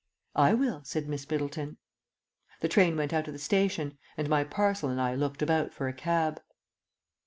"I will," said Miss Middleton. The train went out of the station, and my parcel and I looked about for a cab.